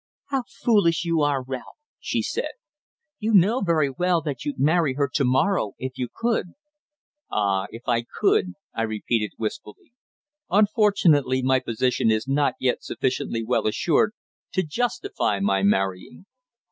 "How foolish you are, Ralph!" she said. "You know very well that you'd marry her to morrow if you could." "Ah! if I could," I repeated wistfully. "Unfortunately my position is not yet sufficiently well assured to justify my marrying.